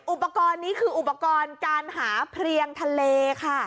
อุปกรณ์นี้คืออุปกรณ์การหาเพลียงทะเลค่ะ